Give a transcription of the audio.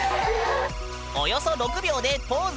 およそ６秒でポーズを５つも！